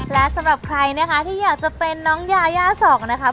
และสำหรับใครนะคะที่อยากจะเป็นน้องยาย่าสองนะคะ